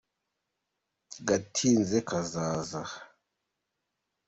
Gatinze kazaza.